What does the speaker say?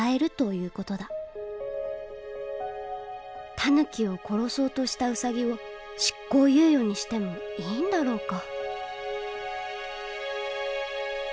タヌキを殺そうとしたウサギを執行猶予にしてもいいんだろうか。